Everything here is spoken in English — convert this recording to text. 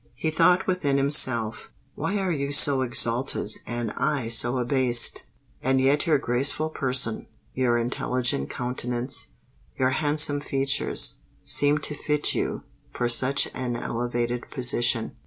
He thought within himself, "Why are you so exalted, and I so abased? And yet your graceful person—your intelligent countenance—your handsome features, seem to fit you for such an elevated position.